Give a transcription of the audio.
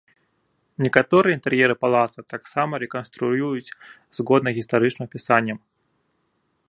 Некаторыя інтэр'еры палаца таксама рэканструююць згодна гістарычным апісанням.